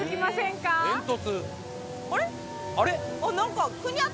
あれ？